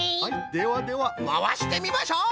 ではではまわしてみましょう！